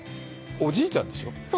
おじいちゃんでしょ？